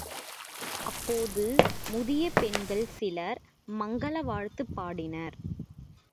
அப்போது முதிய பெண்கள் சிலர், மங்கல வாழ்த்துப் பாடினர்.